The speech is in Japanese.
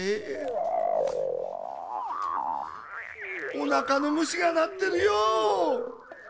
おなかのむしがなってるよ！